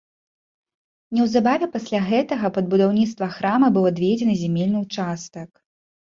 Неўзабаве пасля гэтага пад будаўніцтва храма быў адведзены зямельны ўчастак.